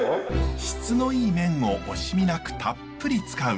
質のいい綿を惜しみなくたっぷり使う。